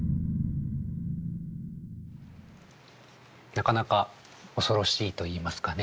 なかなか恐ろしいといいますかね。